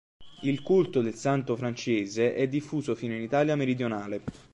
Il culto del santo francese è diffuso fino in Italia meridionale.